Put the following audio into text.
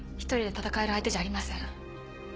１人で戦える相手じゃありません。